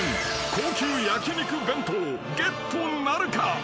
高級焼肉弁当ゲットなるか？］